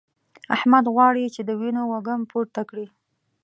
احمد غواړي چې د وينو وږم پورته کړي.